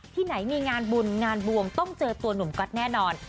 ที่ไหนมีงานบุญงานบวมต้องเจอตัวหนุ่มก๊อตแน่นอน